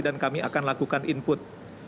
dan kami akan lakukan input